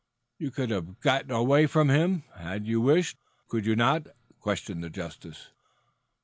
"You could have got away from him, had you wished, could you not?" questioned the justice.